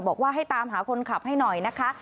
บอกว่าให้ตามหาคนขับให้หน่อยนะคะ